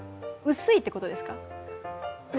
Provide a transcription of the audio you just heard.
薄いってことですか？